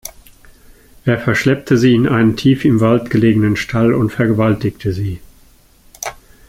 Er verschleppte sie in einen tief im Wald gelegenen Stall und vergewaltigte sie.